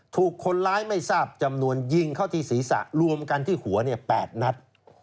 ถูกคนร้ายไม่ทราบจำนวนยิงเข้าที่ศีรษะรวมกันที่หัว๘นัด